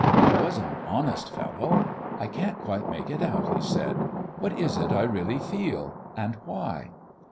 He was an honest fellow. "I can't quite make it out," he said. "What is it I really feel? And why?"